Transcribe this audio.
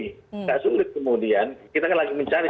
tidak sulit kemudian kita kan lagi mencari